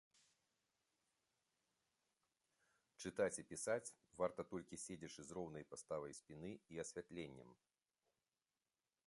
Чытаць і пісаць варта толькі седзячы з роўнай паставай спіны і асвятленнем.